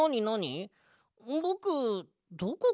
ぼくどこかへん？